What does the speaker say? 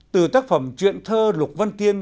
từ tác phẩm truyện thơ lục vân tiên